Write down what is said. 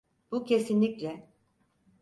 Bu kesinlikle…